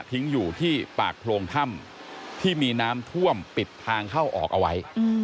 ทิ้งอยู่ที่ปากโพรงถ้ำที่มีน้ำท่วมปิดทางเข้าออกเอาไว้